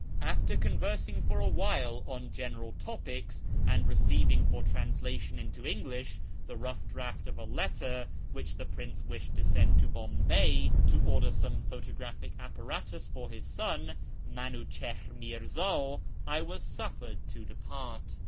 After conversing for a Avhilo on general topics, and receiving for translation into English the rough draft of a letter which the prince wished to send to I'ondjay to order some photo graphic apparatus for his son, Minuchihr Mirza, I was suffered to depart.